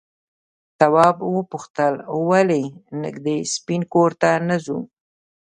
تواب وپوښتل ولې نږدې سپین کور ته نه ځو؟